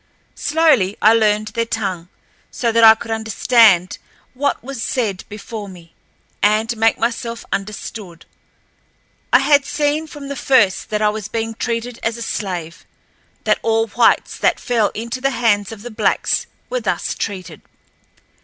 Slowly I learned their tongue, so that I could understand what was said before me, and make myself understood. I had seen from the first that I was being treated as a slave—that all whites that fell into the hands of the blacks were thus treated.